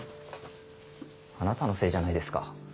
あなたのせいじゃないですか。